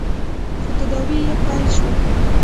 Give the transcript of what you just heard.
خو تداوې يې پیل شول.